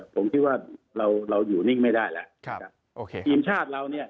ผมคิดว่าเราอยู่นิ่งไม่ได้แล้ว